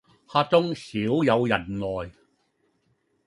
客中少有人來，